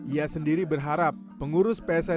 ia sendiri berharap pengguna timnas ini akan berhasil menang